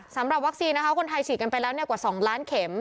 สำหรับวัคซีนนะคะคนไทยฉีดกันไปแล้วกว่า๒ล้านเข็ม